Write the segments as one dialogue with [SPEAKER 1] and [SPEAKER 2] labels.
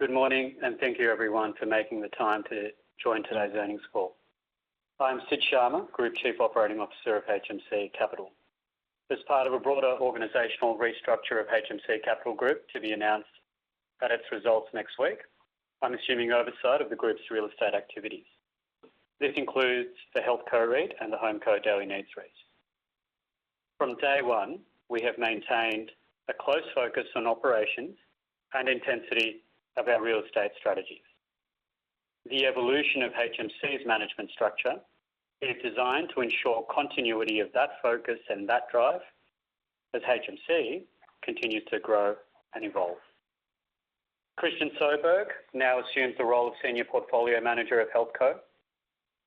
[SPEAKER 1] Good morning, and thank you, everyone, for making the time to join today's earnings call. I'm Sid Sharma, Group Chief Operating Officer of HMC Capital. As part of a broader organizational restructure of HMC Capital Group to be announced at its results next week, I'm assuming oversight of the group's real estate activities. This includes the HealthCo REIT and the HomeCo Daily Needs REIT. From day one, we have maintained a close focus on operations and intensity of our real estate strategies. The evolution of HMC's management structure is designed to ensure continuity of that focus and that drive as HMC continues to grow and evolve. Christian Soberg now assumes the role of Senior Portfolio Manager of HealthCo.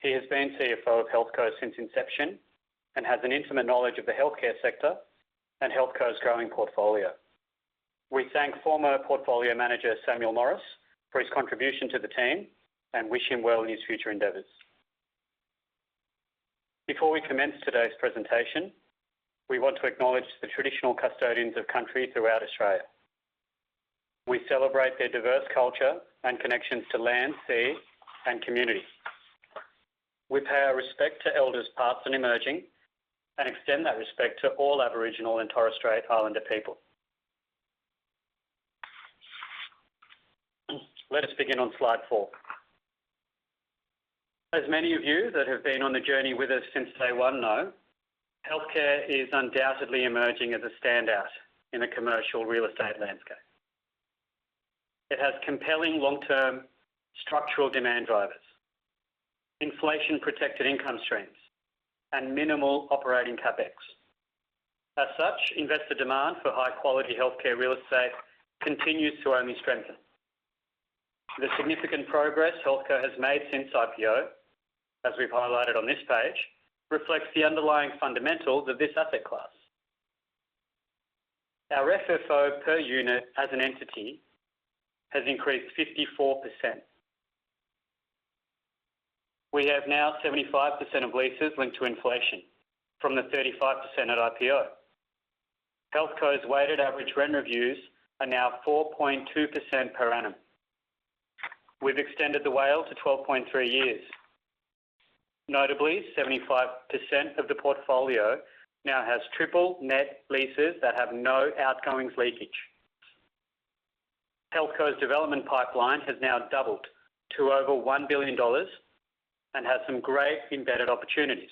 [SPEAKER 1] He has been CFO of HealthCo since inception and has an intimate knowledge of the healthcare sector and HealthCo's growing portfolio. We thank former Portfolio Manager Samuel Morris for his contribution to the team and wish him well in his future endeavors. Before we commence today's presentation, we want to acknowledge the traditional custodians of Country throughout Australia. We celebrate their diverse culture and connections to land, sea, and community. We pay our respect to elders past and emerging and extend that respect to all Aboriginal and Torres Strait Islander people. Let us begin on slide four. As many of you that have been on the journey with us since day 1 know, healthcare is undoubtedly emerging as a standout in the commercial real estate landscape. It has compelling long-term structural demand drivers: inflation-protected income streams and minimal operating CapEx. As such, investor demand for high-quality healthcare real estate continues to only strengthen. The significant progress HealthCo has made since IPO, as we've highlighted on this page, reflects the underlying fundamentals of this asset class. Our FFO per unit as an entity has increased 54%. We have now 75% of leases linked to inflation from the 35% at IPO. HealthCo's weighted average rent reviews are now 4.2% per annum. We've extended the WALE to 12.3 years. Notably, 75% of the portfolio now has triple net leases that have no outgoings leakage. HealthCo's development pipeline has now doubled to over 1 billion dollars and has some great embedded opportunities.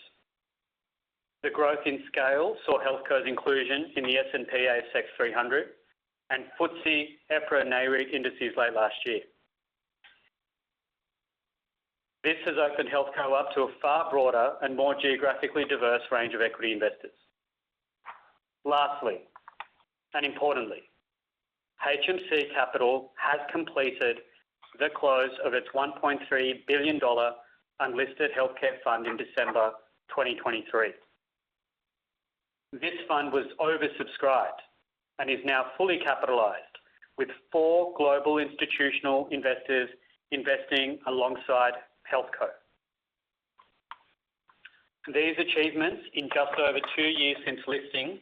[SPEAKER 1] The growth in scale saw HealthCo's inclusion in the S&P/ASX 300 and FTSE EPRA Nareit indices late last year. This has opened HealthCo up to a far broader and more geographically diverse range of equity investors. Lastly, and importantly, HMC Capital has completed the close of its 1.3 billion dollar Unlisted Healthcare Fund in December 2023. This fund was oversubscribed and is now fully capitalized with four global institutional investors investing alongside HealthCo. These achievements in just over two years since listing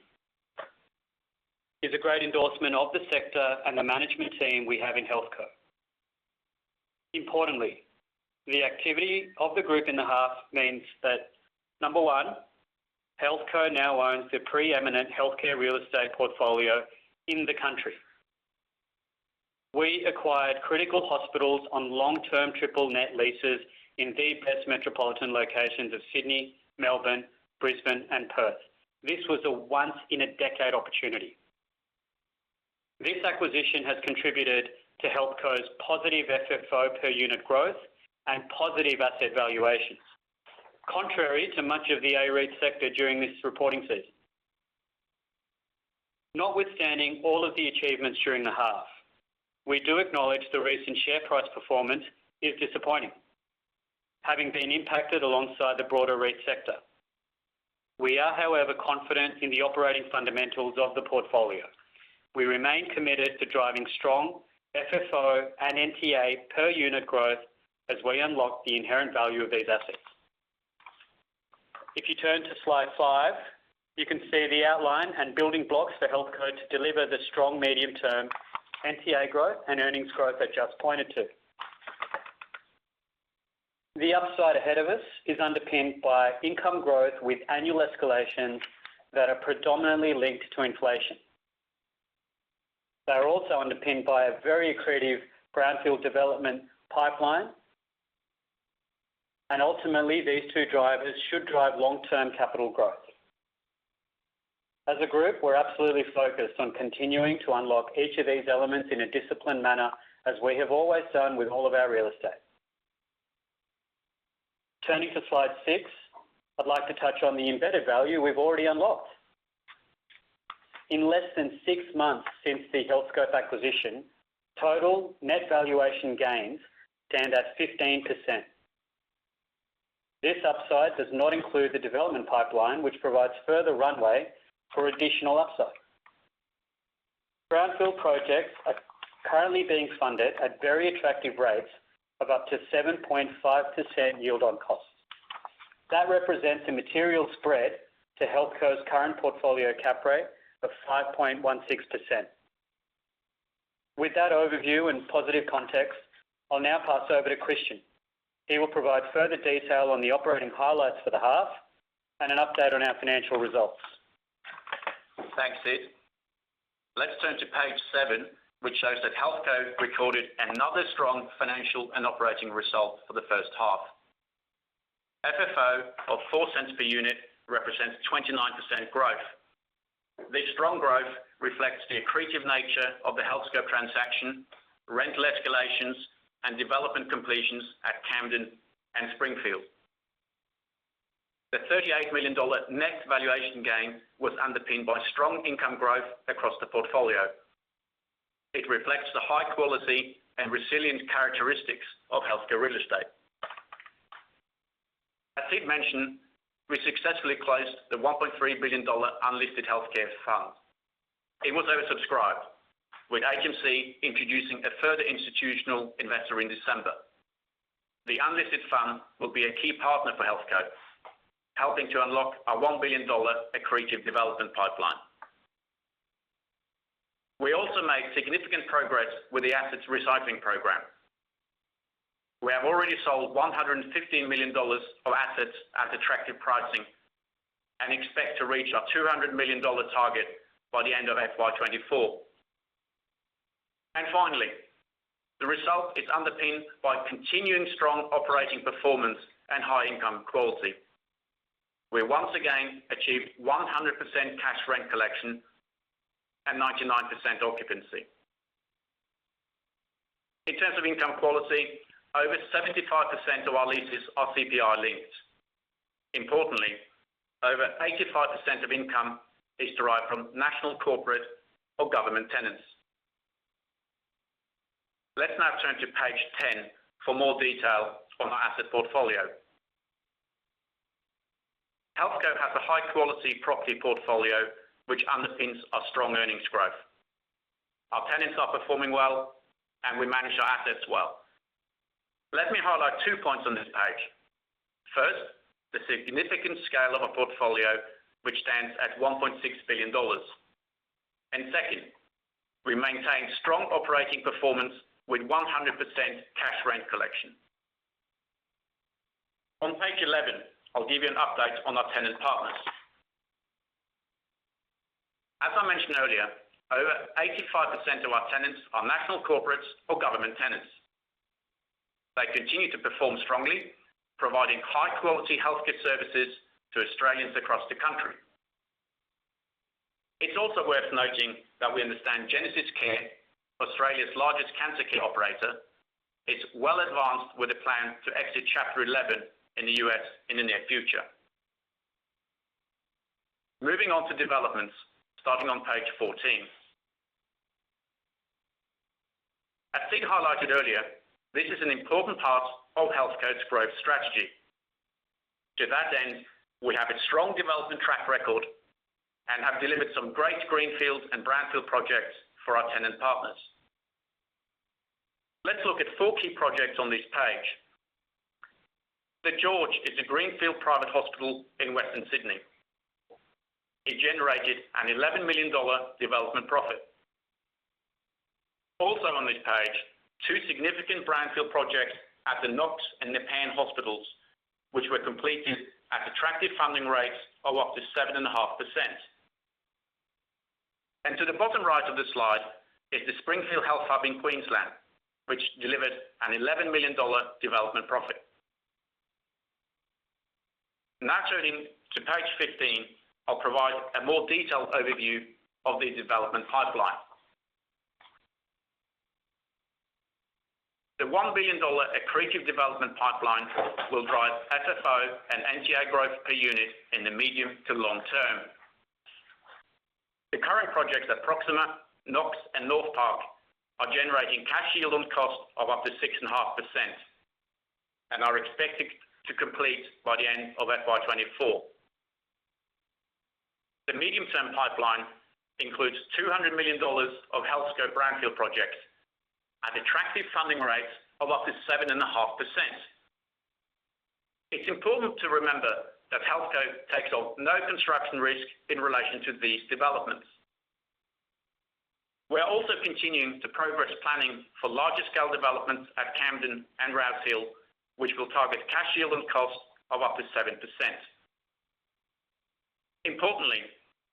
[SPEAKER 1] are a great endorsement of the sector and the management team we have in HealthCo. Importantly, the activity of the group in the half means that, number one, HealthCo now owns the preeminent healthcare real estate portfolio in the country. We acquired critical hospitals on long-term triple net leases in the best metropolitan locations of Sydney, Melbourne, Brisbane, and Perth. This was a once-in-a-decade opportunity. This acquisition has contributed to HealthCo's positive FFO per unit growth and positive asset valuations, contrary to much of the A-REIT sector during this reporting season. Notwithstanding all of the achievements during the half, we do acknowledge the recent share price performance is disappointing, having been impacted alongside the broader REIT sector. We are, however, confident in the operating fundamentals of the portfolio. We remain committed to driving strong FFO and NTA per unit growth as we unlock the inherent value of these assets. If you turn to slide five, you can see the outline and building blocks for HealthCo to deliver the strong medium-term NTA growth and earnings growth I just pointed to. The upside ahead of us is underpinned by income growth with annual escalations that are predominantly linked to inflation. They are also underpinned by a very accretive brownfield development pipeline. And ultimately, these two drivers should drive long-term capital growth. As a group, we're absolutely focused on continuing to unlock each of these elements in a disciplined manner as we have always done with all of our real estate. Turning to slide six, I'd like to touch on the embedded value we've already unlocked. In less than six months since the HealthCo Acquisition, total net valuation gains stand at 15%. This upside does not include the development pipeline, which provides further runway for additional upside. Brownfield projects are currently being funded at very attractive rates of up to 7.5% yield on costs. That represents a material spread to HealthCo's current portfolio cap rate of 5.16%. With that overview and positive context, I'll now pass over to Christian. He will provide further detail on the operating highlights for the half and an update on our financial results.
[SPEAKER 2] Thanks, Sid. Let's turn to page seven, which shows that HealthCo recorded another strong financial and operating result for the first half. FFO of 0.04 per unit represents 29% growth. This strong growth reflects the accretive nature of the HealthCo transaction, rental escalations, and development completions at Camden and Springfield. The 38 million dollar net valuation gain was underpinned by strong income growth across the portfolio. It reflects the high-quality and resilient characteristics of healthcare real estate. As Sid mentioned, we successfully closed the 1.3 billion dollar Unlisted Healthcare Fund. It was oversubscribed, with HMC introducing a further institutional investor in December. The Unlisted Healthcare Fund will be a key partner for HealthCo, helping to unlock a 1 billion dollar accretive development pipeline. We also made significant progress with the Asset Recycling Program. We have already sold 115 million dollars of assets at attractive pricing and expect to reach our 200 million dollar target by the end of FY2024. And finally, the result is underpinned by continuing strong operating performance and high income quality. We once again achieved 100% cash rent collection and 99% occupancy. In terms of income quality, over 75% of our leases are CPI-linked. Importantly, over 85% of income is derived from national corporate or government tenants. Let's now turn to page 10 for more detail on our asset portfolio. HealthCo has a high-quality property portfolio, which underpins our strong earnings growth. Our tenants are performing well, and we manage our assets well. Let me highlight two points on this page. First, the significant scale of our portfolio, which stands at 1.6 billion dollars. And second, we maintain strong operating performance with 100% cash rent collection. On page 11, I'll give you an update on our tenant partners. As I mentioned earlier, over 85% of our tenants are national corporates or government tenants. They continue to perform strongly, providing high-quality healthcare services to Australians across the country. It's also worth noting that we understand GenesisCare, Australia's largest cancer care operator, is well advanced with a plan to exit Chapter 11 in the U.S. in the near future. Moving on to developments starting on page 14. As Sid highlighted earlier, this is an important part of HealthCo's growth strategy. To that end, we have a strong development track record and have delivered some great greenfield and brownfield projects for our tenant partners. Let's look at four key projects on this page. The George is a greenfield private hospital in Western Sydney. It generated an 11 million dollar development profit. Also on this page, two significant brownfield projects at the Knox and Nepean hospitals, which were completed at attractive funding rates of up to 7.5%. To the bottom right of the slide is the Springfield Health Hub in Queensland, which delivered an 11 million dollar development profit. Now turning to page 15, I'll provide a more detailed overview of the development pipeline. The 1 billion dollar accretive development pipeline will drive FFO and NTA growth per unit in the medium to long term. The current projects at Proxima, Knox, and Northpark are generating cash yield on cost of up to 6.5% and are expected to complete by the end of FY2024. The medium-term pipeline includes 200 million dollars of HealthCo brownfield projects at attractive funding rates of up to 7.5%. It's important to remember that HealthCo takes on no construction risk in relation to these developments. We're also continuing to progress planning for larger-scale developments at Camden and Rouse Hill, which will target cash yield on cost of up to 7%. Importantly,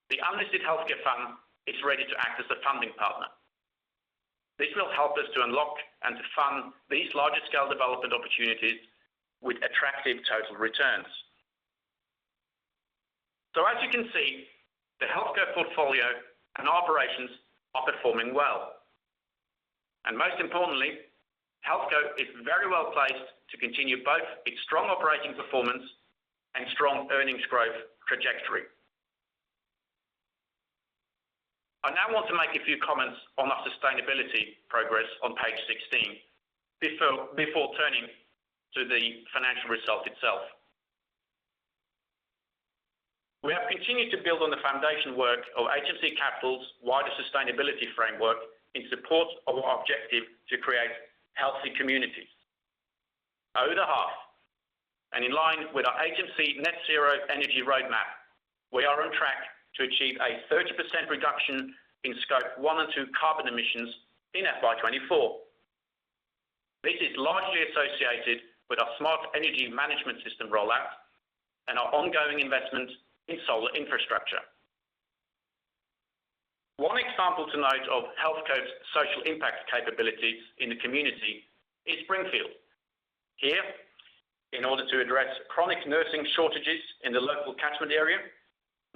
[SPEAKER 2] the unlisted healthcare fund is ready to act as a funding partner. This will help us to unlock and to fund these larger-scale development opportunities with attractive total returns. So as you can see, the HealthCo portfolio and operations are performing well. And most importantly, HealthCo is very well placed to continue both its strong operating performance and strong earnings growth trajectory. I now want to make a few comments on our sustainability progress on page 16 before turning to the financial result itself. We have continued to build on the foundation work of HMC Capital's wider sustainability framework in support of our objective to create healthy communities. Over the half and in line with our HMC net-zero energy roadmap, we are on track to achieve a 30% reduction in Scope 1 and 2 carbon emissions in FY 2024. This is largely associated with our smart energy management system rollout and our ongoing investment in solar infrastructure. One example to note of HealthCo's social impact capabilities in the community is Springfield. Here, in order to address chronic nursing shortages in the local catchment area,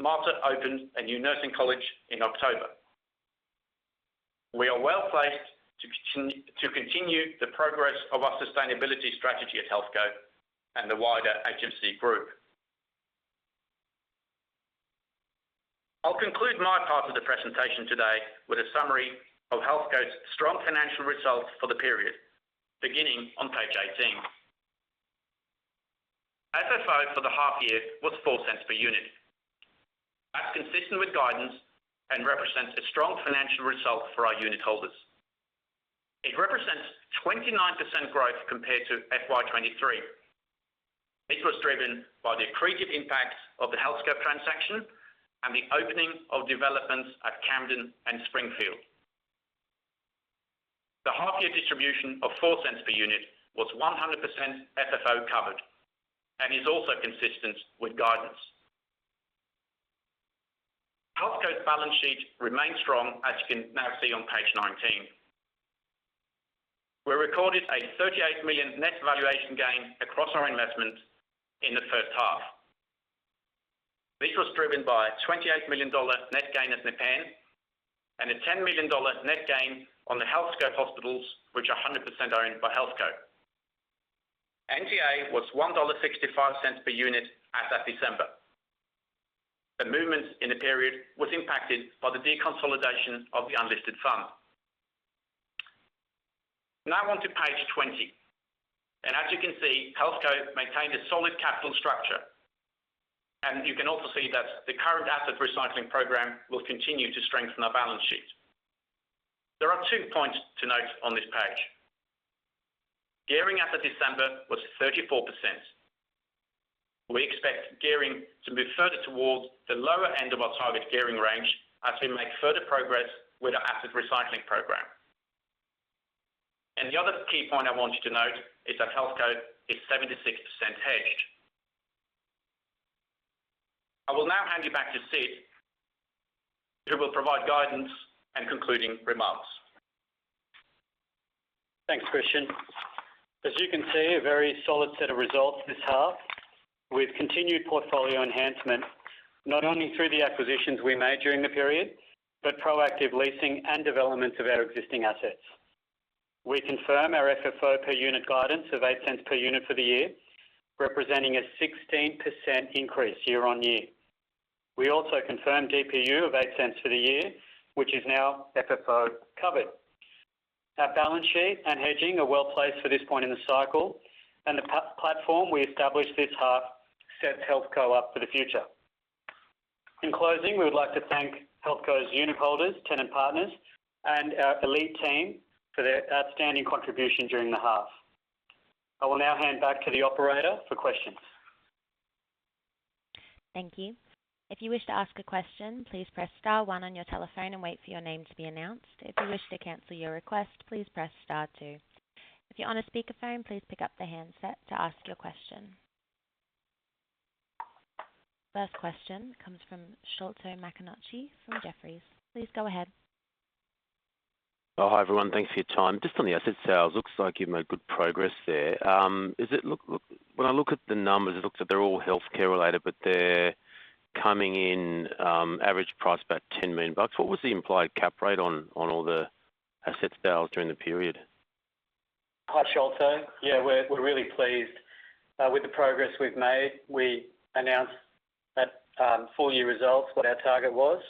[SPEAKER 2] Mater opened a new nursing college in October. We are well placed to continue the progress of our sustainability strategy at HealthCo and the wider HMC group. I'll conclude my part of the presentation today with a summary of HealthCo's strong financial results for the period, beginning on page 18. FFO for the half year was 0.04 per unit. That's consistent with guidance and represents a strong financial result for our unit holders. It represents 29% growth compared to FY23. This was driven by the accretive impacts of the HealthCo transaction and the opening of developments at Camden and Springfield. The half-year distribution of 0.04 per unit was 100% FFO covered and is also consistent with guidance. HealthCo's balance sheet remains strong, as you can now see on page 19. We recorded a 38 million net valuation gain across our investments in the first half. This was driven by a 28 million dollar net gain at Nepean and a 10 million dollar net gain on the HealthCo hospitals, which are 100% owned by HealthCo. NTA was 1.65 dollar per unit as of December. The movements in the period were impacted by the deconsolidation of the Unlisted Fund. Now I want to page 20. As you can see, HealthCo maintained a solid capital structure. You can also see that the current Asset Recycling Program will continue to strengthen our balance sheet. There are two points to note on this page. Gearing as of December was 34%. We expect gearing to move further towards the lower end of our target gearing range as we make further progress with our Asset Recycling Program. And the other key point I want you to note is that HealthCo is 76% hedged. I will now hand you back to Sid, who will provide guidance and concluding remarks.
[SPEAKER 1] Thanks, Christian. As you can see, a very solid set of results this half with continued portfolio enhancement not only through the acquisitions we made during the period but proactive leasing and development of our existing assets. We confirm our FFO per unit guidance of 0.08 per unit for the year, representing a 16% increase year-on-year. We also confirm DPU of 0.08 for the year, which is now FFO covered. Our balance sheet and hedging are well placed for this point in the cycle, and the platform we established this half sets HealthCo up for the future. In closing, we would like to thank HealthCo's unit holders, tenant partners, and our elite team for their outstanding contribution during the half. I will now hand back to the operator for questions.
[SPEAKER 3] Thank you. If you wish to ask a question, please press star one on your telephone and wait for your name to be announced. If you wish to cancel your request, please press star two. If you're on a speakerphone, please pick up the handset to ask your question. First question comes from Sholto Maconochie from Jefferies. Please go ahead.
[SPEAKER 4] Oh, hi, everyone. Thanks for your time. Just on the asset sales, looks like you've made good progress there. When I look at the numbers, it looks like they're all healthcare related, but they're coming in average price about 10 million bucks. What was the implied cap rate on all the asset sales during the period?
[SPEAKER 1] Hi, Sholto. Yeah, we're really pleased with the progress we've made. We announced at full-year results what our target was.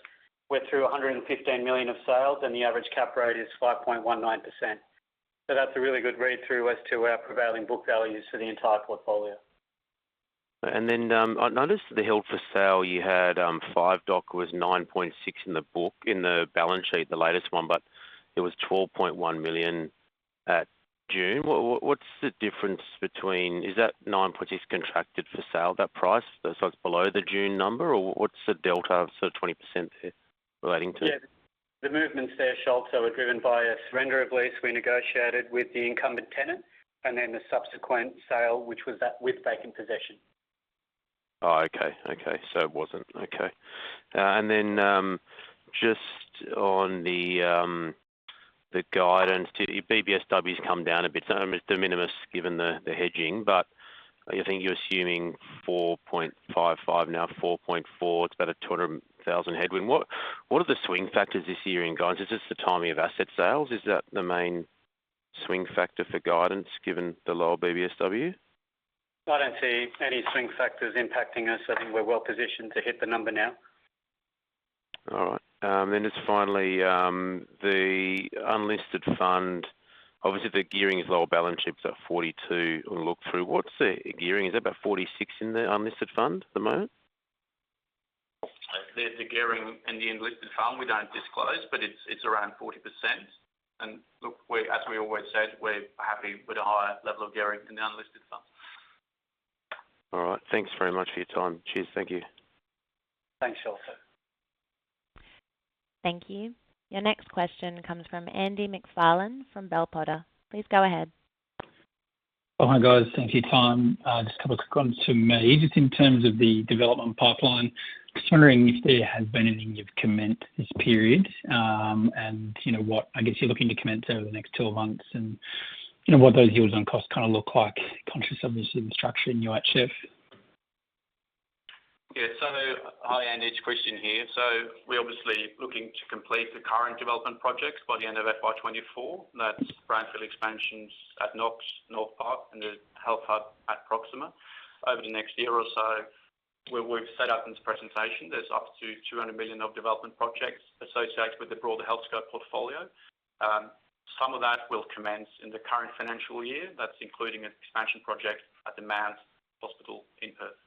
[SPEAKER 1] We're through 115 million of sales, and the average cap rate is 5.19%. So that's a really good read-through as to our prevailing book values for the entire portfolio.
[SPEAKER 4] Then I noticed the held-for-sale you had, 5.00% was 9.6 million in the balance sheet, the latest one, but it was 12.1 million at June. What's the difference between is that 9.6 million contracted for sale, that price? So it's below the June number, or what's the delta, sort of 20%, relating to?
[SPEAKER 1] Yeah, the movements there, Sholto, were driven by a surrender of lease we negotiated with the incumbent tenant and then the subsequent sale, which was with vacant possession.
[SPEAKER 4] Oh, okay. Okay. So it wasn't. Okay. And then just on the guidance, BBSW's come down a bit. It's de minimis given the hedging, but I think you're assuming 4.55% now, 4.4%. It's about a 200,000 headwind. What are the swing factors this year in guidance? Is this the timing of asset sales? Is that the main swing factor for guidance given the lower BBSW?
[SPEAKER 1] I don't see any swing factors impacting us. I think we're well positioned to hit the number now.
[SPEAKER 4] All right. And then just finally, the Unlisted Fund obviously, the gearing is lower. Balance sheet's at 42%. We'll look through. What's the gearing? Is it about 46% in the Unlisted Fund at the moment?
[SPEAKER 2] The gearing in the Unlisted Fund, we don't disclose, but it's around 40%. Look, as we always said, we're happy with a higher level of gearing in the Unlisted Fund.
[SPEAKER 4] All right. Thanks very much for your time. Cheers. Thank you.
[SPEAKER 1] Thanks, Sholto.
[SPEAKER 3] Thank you. Your next question comes from Andy MacFarlane from Bell Potter. Please go ahead.
[SPEAKER 5] Oh, hi, guys. Thanks for your time. Just a couple of quick ones from me. Just in terms of the development pipeline, just wondering if there has been anything you've commented this period and what I guess you're looking to comment over the next 12 months and what those yields on cost kind of look like, conscious, obviously, of the structure in UHF?
[SPEAKER 2] Yeah. So hi, Andy. It's Christian here. So we're obviously looking to complete the current development projects by the end of FY 2024. That's Brownfield expansions at Knox, Northpark, and the Proxima Health Hub over the next year or so. What we've set up in this presentation, there's up to 200 million of development projects associated with the broader HealthCo portfolio. Some of that will commence in the current financial year. That's including an expansion project at the Mount Hospital in Perth.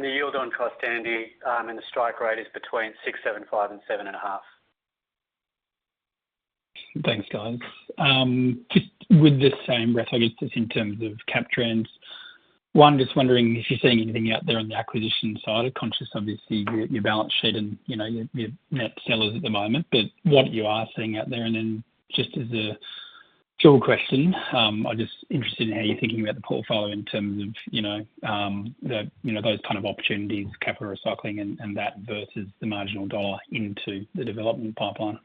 [SPEAKER 1] The yield on cost, Andy, and the strike rate is between 6.75% and 7.5%.
[SPEAKER 5] Thanks, guys. Just in the same breath, I guess, just in terms of CapEx trends, one, just wondering if you're seeing anything out there on the acquisition side, conscious, obviously, of your balance sheet and that you're a net seller at the moment, but what you're seeing out there. And then, just as a dual question, I'm just interested in how you're thinking about the portfolio in terms of those kinds of opportunities, capital recycling, and that versus the marginal dollar into the development pipeline.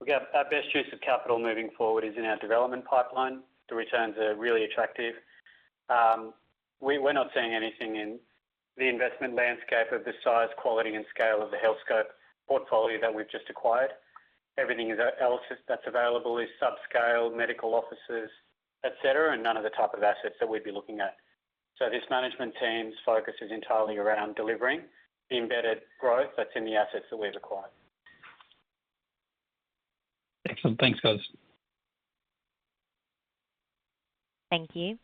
[SPEAKER 1] We've got our best use of capital moving forward in our development pipeline. The returns are really attractive. We're not seeing anything in the investment landscape of the size, quality, and scale of the HealthCo portfolio that we've just acquired. Everything else that's available is subscale, medical offices, etc., and none of the type of assets that we'd be looking at. So this management team's focus is entirely around delivering embedded growth that's in the assets that we've acquired.
[SPEAKER 5] Excellent. Thanks, guys.
[SPEAKER 3] Thank you.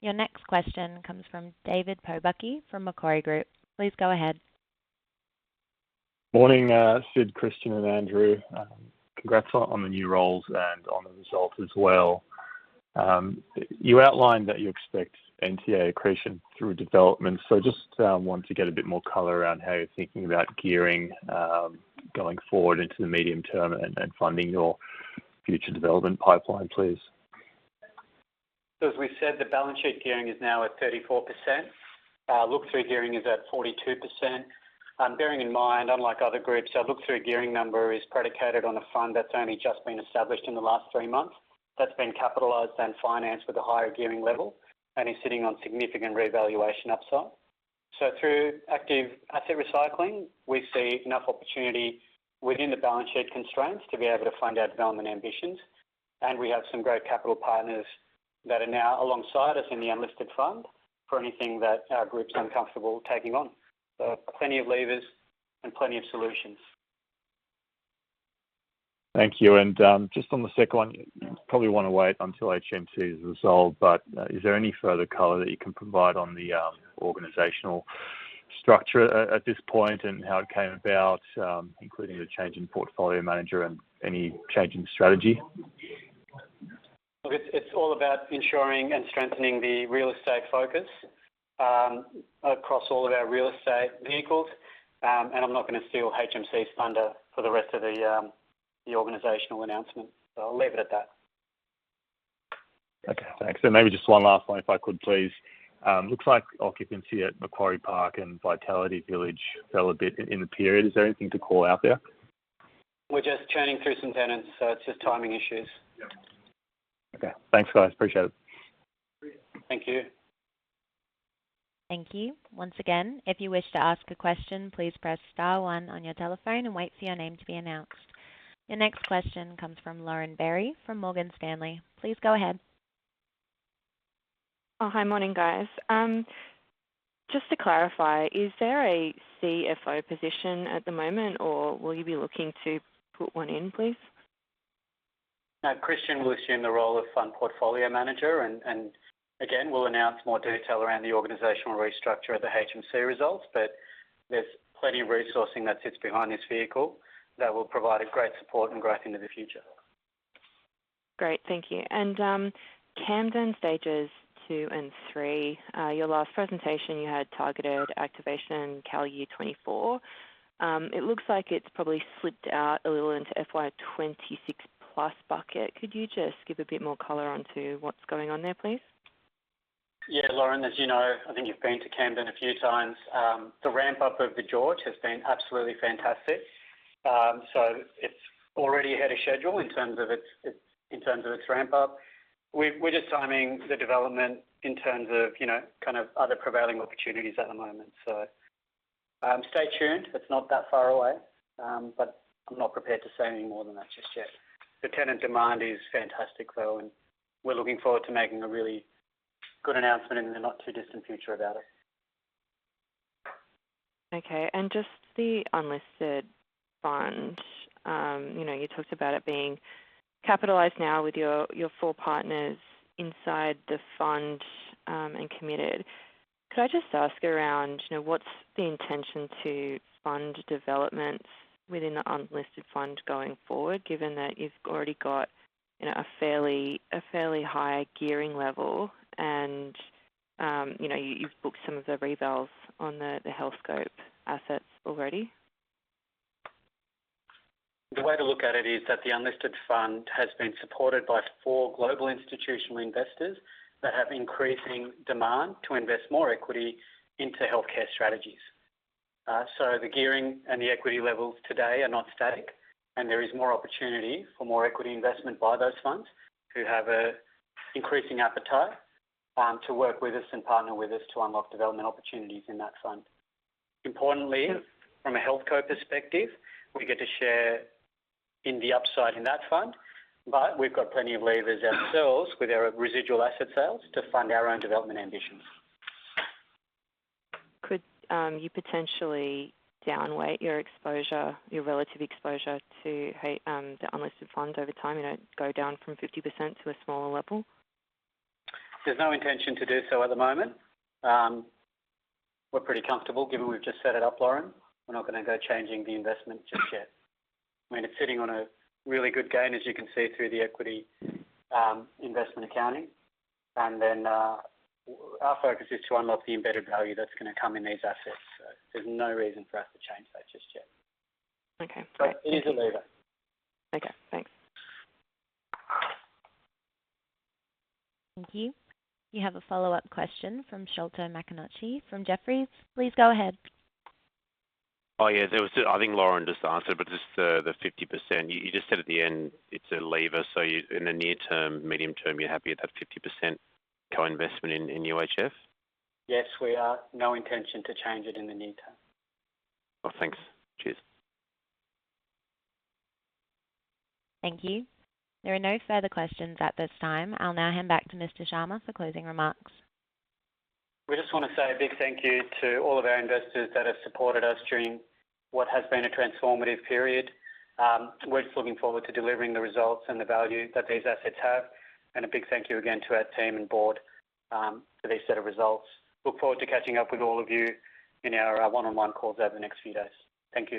[SPEAKER 3] Your next question comes from David Pobucky from Macquarie Group. Please go ahead.
[SPEAKER 6] Morning, Sid, Christian, and Andrew. Congrats on the new roles and on the results as well. You outlined that you expect NTA accretion through developments. So just want to get a bit more color around how you're thinking about gearing going forward into the medium term and funding your future development pipeline, please?
[SPEAKER 1] So as we said, the balance sheet gearing is now at 34%. Look-through gearing is at 42%. Bearing in mind, unlike other groups, our look-through gearing number is predicated on a fund that's only just been established in the last three months. That's been capitalized and financed with a higher gearing level and is sitting on significant revaluation upside. So through active asset recycling, we see enough opportunity within the balance sheet constraints to be able to fund our development ambitions. And we have some great capital partners that are now alongside us in the Unlisted Fund for anything that our group's uncomfortable taking on. So plenty of levers and plenty of solutions.
[SPEAKER 6] Thank you. Just on the second one, you probably want to wait until HMC's resolved, but is there any further color that you can provide on the organizational structure at this point and how it came about, including the change in portfolio manager and any change in strategy?
[SPEAKER 1] Look, it's all about ensuring and strengthening the real estate focus across all of our real estate vehicles. I'm not going to steal HMC's thunder for the rest of the organizational announcement. So I'll leave it at that.
[SPEAKER 6] Okay. Thanks. And maybe just one last one, if I could, please. Looks like occupancy at Macquarie Park and Vitality Village fell a bit in the period. Is there anything to call out there?
[SPEAKER 1] We're just churning through some tenants, so it's just timing issues.
[SPEAKER 6] Okay. Thanks, guys. Appreciate it.
[SPEAKER 1] Thank you.
[SPEAKER 3] Thank you. Once again, if you wish to ask a question, please press star one on your telephone and wait for your name to be announced. Your next question comes from Lauren Berry from Morgan Stanley. Please go ahead.
[SPEAKER 7] Oh, hi, morning, guys. Just to clarify, is there a CFO position at the moment, or will you be looking to put one in, please?
[SPEAKER 1] No, Christian will assume the role of fund portfolio manager. And again, we'll announce more detail around the organizational restructure at the HMC results, but there's plenty of resourcing that sits behind this vehicle that will provide great support and growth into the future.
[SPEAKER 7] Great. Thank you. And Camden Stages 2 and Stage 3, your last presentation, you had targeted activation CY 2024. It looks like it's probably slipped out a little into FY 2026+ bucket. Could you just give a bit more color on to what's going on there, please?
[SPEAKER 1] Yeah, Lauren, as you know, I think you've been to Camden a few times. The ramp-up of the George has been absolutely fantastic. So it's already ahead of schedule in terms of its ramp-up. We're just timing the development in terms of kind of other prevailing opportunities at the moment. So stay tuned. It's not that far away, but I'm not prepared to say any more than that just yet. The tenant demand is fantastic, though, and we're looking forward to making a really good announcement in the not-too-distant future about it.
[SPEAKER 7] Okay. And just the Unlisted Fund, you talked about it being capitalized now with your four partners inside the fund and committed. Could I just ask around what's the intention to fund developments within the Unlisted Fund going forward, given that you've already got a fairly high gearing level and you've booked some of the rebills on the HealthCo assets already?
[SPEAKER 1] The way to look at it is that the Unlisted Fund has been supported by four global institutional investors that have increasing demand to invest more equity into healthcare strategies. So the gearing and the equity levels today are not static, and there is more opportunity for more equity investment by those funds who have an increasing appetite to work with us and partner with us to unlock development opportunities in that fund. Importantly, from a HealthCo perspective, we get to share in the upside in that fund, but we've got plenty of levers ourselves with our residual asset sales to fund our own development ambitions.
[SPEAKER 7] Could you potentially down-weight your relative exposure to the Unlisted Fund over time, go down from 50% to a smaller level?
[SPEAKER 1] There's no intention to do so at the moment. We're pretty comfortable given we've just set it up, Lauren. We're not going to go changing the investment just yet. I mean, it's sitting on a really good gain, as you can see, through the equity investment accounting. And then our focus is to unlock the embedded value that's going to come in these assets. So there's no reason for us to change that just yet. So it is a lever.
[SPEAKER 7] Okay. Thanks.
[SPEAKER 3] Thank you. We have a follow-up question from Sholto Maconochie from Jefferies. Please go ahead.
[SPEAKER 4] Oh, yeah. I think Lauren just answered, but just the 50%. You just said at the end it's a lever. So in the near term, medium term, you're happy with that 50% co-investment in UHF?
[SPEAKER 1] Yes, we are. No intention to change it in the near term.
[SPEAKER 4] Oh, thanks. Cheers.
[SPEAKER 3] Thank you. There are no further questions at this time. I'll now hand back to Mr. Sharma for closing remarks.
[SPEAKER 1] We just want to say a big thank you to all of our investors that have supported us during what has been a transformative period. We're just looking forward to delivering the results and the value that these assets have. A big thank you again to our team and board for these set of results. Look forward to catching up with all of you in our one-on-one calls over the next few days. Thank you.